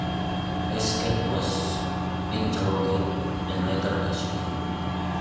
Hesketh was interrogated and later executed.